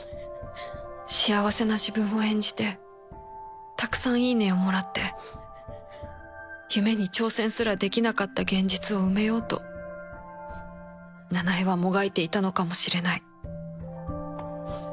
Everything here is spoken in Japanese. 幸せな自分を演じてたくさん「いいね」をもらって夢に挑戦すらできなかった現実を埋めようと奈々江はもがいていたのかもしれない